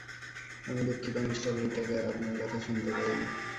আমি দুঃখিত, Mr Whitaker, আপনার কথা শুনতে পাইনি।